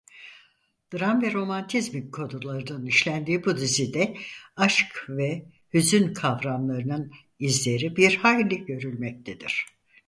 Dram ve romantizm konularının işlendiği bu dizide aşk ve hüzün kavramlarının izleri bir hayli görülmektedir.